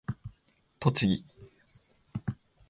栃木